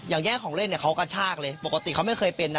แยกของเล่นเนี่ยเขากระชากเลยปกติเขาไม่เคยเป็นนะ